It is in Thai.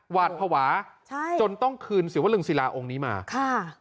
หวาดภาวะใช่จนต้องคืนศิวลึงศิลาองค์นี้มาค่ะ